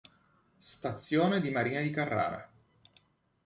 Stazione di Marina di Carrara